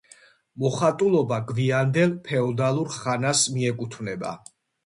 მოხატულობა გვიანდელ ფეოდალურ ხანას მიეკუთვნება.